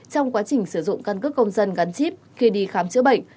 trong quá trình sử dụng căn cước công dân gắn chip khi đi khám chữa bệnh